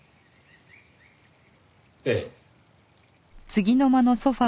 ええ。